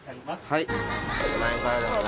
はい。